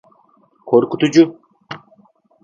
Korkutucu…